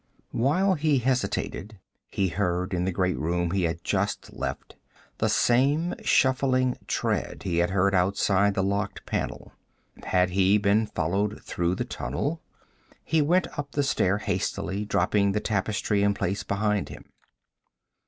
While he hesitated he heard in the great room he had just left, the same shuffling tread he had heard outside the locked panel. Had he been followed through the tunnel? He went up the stair hastily, dropping the tapestry in place behind him.